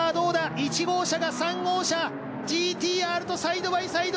１号車が３号車Ｇサイドバイサイド